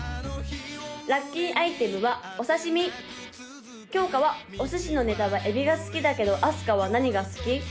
ラッキーアイテムはお刺身きょうかはお寿司のネタはエビが好きだけどあすかは何が好き？